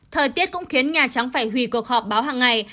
thời tiết cũng khiến nhà trắng phải hủy cuộc họp báo hằng ngày